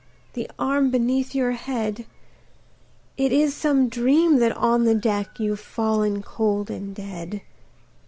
The arm beneath your head! It is some dream that on the deck, You've fallen cold and dead.